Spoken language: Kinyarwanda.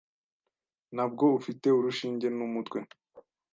Ntabwo ufite urushinge numutwe?